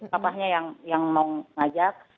bapaknya yang mau mengajak